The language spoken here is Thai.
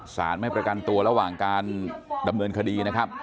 สารไม่ประกันตัวระหว่างการดำเนินคดีนะครับ